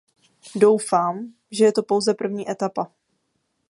Doufám, že je to pouze první etapa.